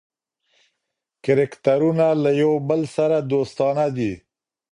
کرکټرونه له یو بل سره دوستانه دي.